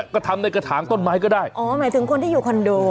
ก็ทำในกระถางต้นไม้ก็ได้อ๋อหมายถึงคนที่อยู่คอนโด